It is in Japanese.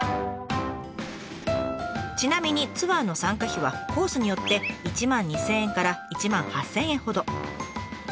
ちなみにツアーの参加費はコースによって１万２，０００円から１万８，０００円ほど。